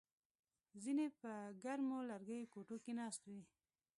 ځینې په ګرمو لرګیو کوټو کې ناست وي